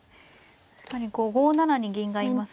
確かに５七に銀がいますが。